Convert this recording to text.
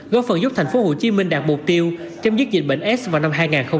góp phần giúp tp hcm đạt mục tiêu chấm dứt dịch bệnh s vào năm hai nghìn ba mươi